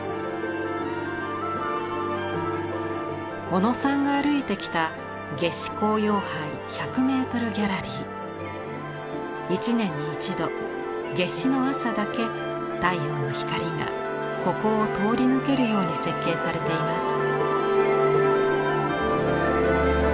小野さんが歩いてきた一年に一度夏至の朝だけ太陽の光がここを通り抜けるように設計されています。